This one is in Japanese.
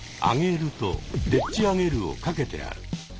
「揚げる」と「でっちあげる」を掛けてある。